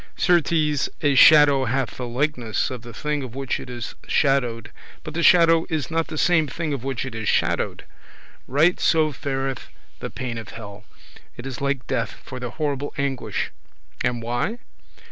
Certes a shadow hath the likeness of the thing of which it is shadowed, but the shadow is not the same thing of which it is shadowed: right so fareth the pain of hell; it is like death, for the horrible anguish; and why?